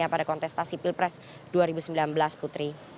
pada kontestasi pilpres dua ribu sembilan belas putri